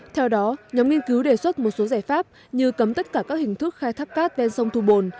theo đó nhóm nghiên cứu đề xuất một số giải pháp như cấm tất cả các hình thức khai thác cát ven sông thu bồn